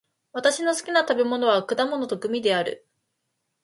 私の好きな食べ物は果物とグミである。